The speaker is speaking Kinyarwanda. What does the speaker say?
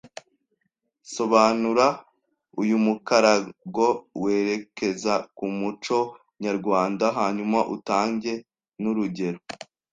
Sobanura uyu mukarago werekeza ku mucoo nyarwanda hanyuma utange n’urugero